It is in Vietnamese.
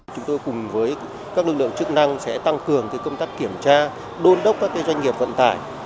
chúng tôi cùng với các lực lượng chức năng sẽ tăng cường công tác kiểm tra đôn đốc các doanh nghiệp vận tải